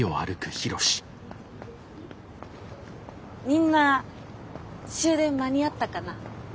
みんな終電間に合ったかな？